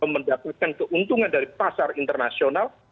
mendapatkan keuntungan dari pasar internasional